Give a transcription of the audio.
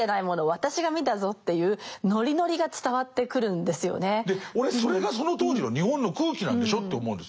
私が見たぞっていうで俺それがその当時の日本の空気なんでしょって思うんですよ。